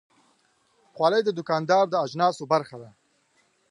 خولۍ د دوکاندار د اجناسو برخه ده.